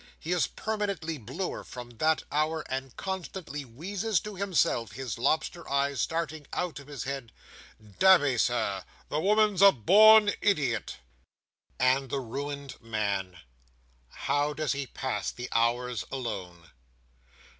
He is permanently bluer from that hour, and constantly wheezes to himself, his lobster eyes starting out of his head, "Damme, Sir, the woman's a born idiot!" And the ruined man. How does he pass the hours, alone?